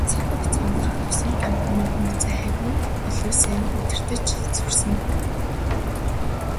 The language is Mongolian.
Цаг хугацаа өнгөрөх тусам компаниуд нөөцөө хавьгүй илүү сайн удирдаж сурсан.